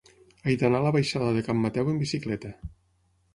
He d'anar a la baixada de Can Mateu amb bicicleta.